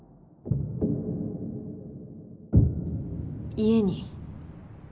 家に。